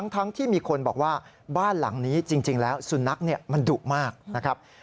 ทั้งที่มีคนบอกว่าบ้านหลังนี้จริงแล้วสุนัขมันดุมากนะครับ